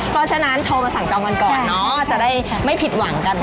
เพราะฉะนั้นโทรมาสั่งเจ้ามันก่อนให้ไม่ถูกหวังค่ะ